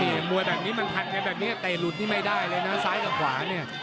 โอเคมัวแบบนี้มันถัดไว้แบบนี้แต่ลุดนี่ไม่ได้เลยนะซ้ายกับขวาเนี่ย